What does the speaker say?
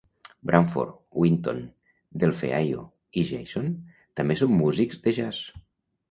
Branford, Wynton, Delfeayo, i Jason també són músics de jazz.